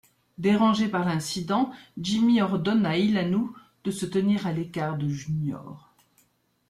Dérangé par l'incident, Jimmy ordonne à Ilanu de se tenir à l'écart de Junior.